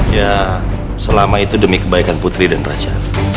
ya selama itu demi kebaikan putri dan raja